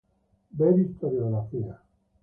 Ver Historiografía.